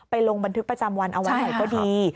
ไปลงบันทึกประจำวันเอาไว้ก็ดี